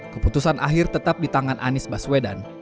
keputusan akhir tetap di tangan anies baswedan